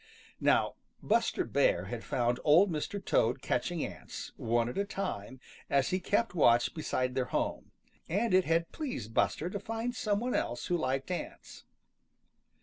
Now Buster Bear had found Old Mr. Toad catching ants, one at a time, as he kept watch beside their home, and it had pleased Buster to find some one else who liked ants.